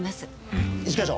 一課長。